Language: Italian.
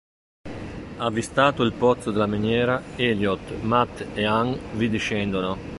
Avvistato il pozzo della miniera, Elliot, Matt e Ann vi discendono.